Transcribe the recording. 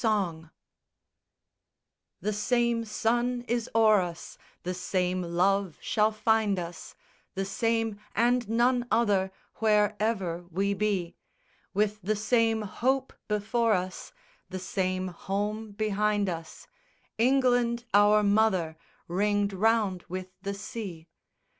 SONG The same Sun is o'er us, The same Love shall find us, The same and none other Wherever we be; With the same hope before us, The same home behind us, England, our mother, Ringed round with the sea.